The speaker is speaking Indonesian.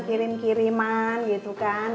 kirim kiriman gitu kan